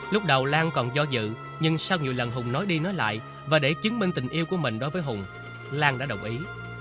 lúc đầu lan còn do dự nhưng sau nhiều lần hùng nói đi nói lại và để chứng minh tình yêu của mình đối với hùng lan đã đồng ý